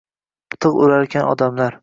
Tig’ urarkan odamlar.